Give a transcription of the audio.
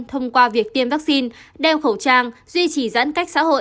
thông qua việc tiêm vaccine đeo khẩu trang duy trì giãn cách xã hội